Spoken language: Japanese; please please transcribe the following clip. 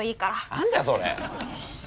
何だよそれ！よし。